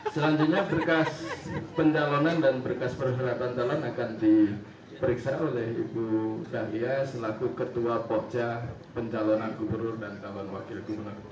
selanjutnya berkas pencalonan dan berkas perhelatan calon akan diperiksa oleh ibu dahlia selaku ketua pokja pencalonan gubernur dan calon wakil gubernur